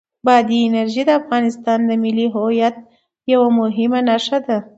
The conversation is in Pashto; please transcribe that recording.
بادي انرژي د افغانستان د ملي هویت یوه مهمه نښه ده.